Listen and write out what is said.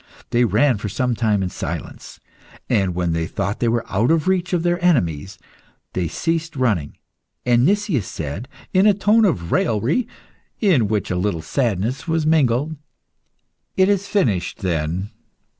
They ran for some time in silence, and when they thought they were out of reach of their enemies, they ceased running, and Nicias said, in a tone of raillery in which a little sadness was mingled "It is finished then!